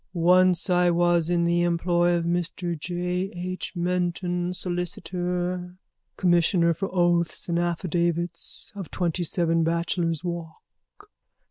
_ Once I was in the employ of Mr J. H. Menton, solicitor, commissioner for oaths and affidavits, of 27 Bachelor's Walk.